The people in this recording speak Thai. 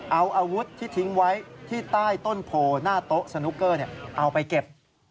เอาอาวุธที่ทิ้งไว้ที่ใต้ต้นโพหน้าโต๊ะสนุกเกอร์เอาไปเก็บ